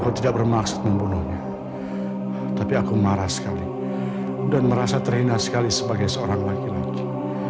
kau tidak bermaksud membunuhnya tapi aku marah sekali dan merasa terhina sekali sebagai seorang laki laki